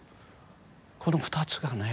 この２つがね